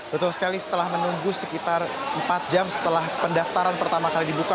betul sekali setelah menunggu sekitar empat jam setelah pendaftaran pertama kali dibuka